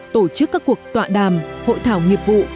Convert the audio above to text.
tổ chức các cuộc tọa đàm hội thảo nghiệp vụ